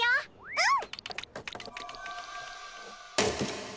うん。